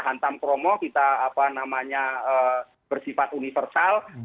hantam kromo kita bersifat universal